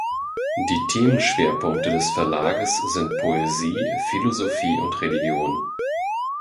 Die Themenschwerpunkte des Verlages sind Poesie, Philosophie und Religion.